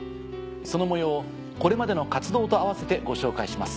その模様をこれまでの活動と併せてご紹介します。